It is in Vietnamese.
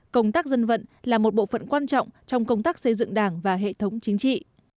công tác dân vận là một bộ phận quan trọng trong công tác xây dựng đảng và hệ thống chính trị